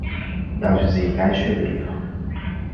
要去自己该去的地方